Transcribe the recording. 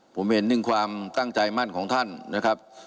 ผมเห็นถึงความตั้งใจมั่นของท่านนะครับ